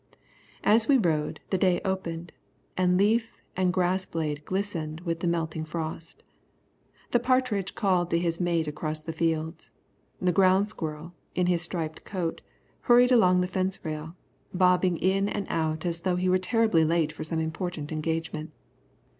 As we rode, the day opened, and leaf and grass blade glistened with the melting frost. The partridge called to his mate across the fields. The ground squirrel, in his striped coat, hurried along the rail fence, bobbing in and out as though he were terribly late for some important engagement.